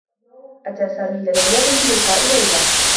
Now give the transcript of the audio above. أتى سامي إلى العيادة للقاء ليلى.